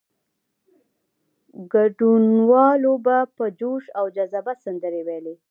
ګډونوالو به په جوش او جذبه سندرې ویلې.